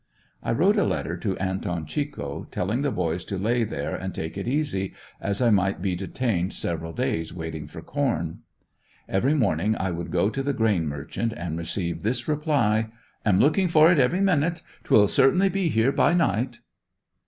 I wrote a letter to Anton Chico, telling the boys to lay there and take it easy, as I might be detained several days waiting for corn. Every morning I would go to the grain merchant, and receive this reply: "Am looking for it every minute; t'will certainly be here by night."